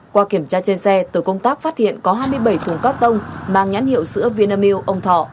qua kiểm tra trên xe tổ công tác phát hiện có hai mươi bảy thùng cắt tông mang nhãn hiệu sữa vinamil ông thọ